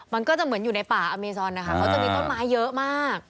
มันก็จะเหมือนอยู่ในป่าอเมซอนนะคะเขาจะมีต้นไม้เยอะมาก